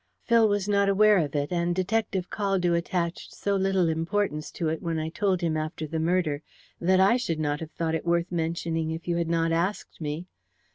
"Phil was not aware of it, and Detective Caldew attached so little importance to it when I told him after the murder that I should not have thought it worth mentioning if you had not asked me.